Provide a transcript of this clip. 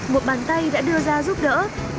một bàn tay đã đưa ra giúp đỡ